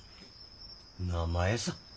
名前さ。